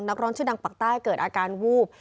นักร้องชื่อดังปากใต้เกิดอาการวูบ